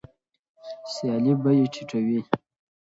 سیالي بیې ټیټوي.